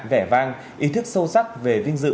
vẻ vang ý thức sâu sắc về vinh dự